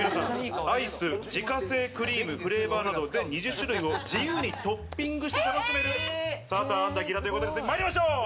アイス、自家製クリーム、フレーバーなど全２０種類を自由にトッピングして楽しめるサーターアンダギーだということです。